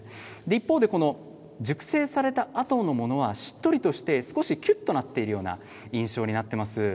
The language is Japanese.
一方で熟成されたあとも左側はしっとりとして少しきゅっとなっている印象になっています。